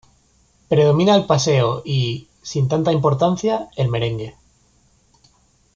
Predomina el paseo y, sin tanta importancia, el merengue.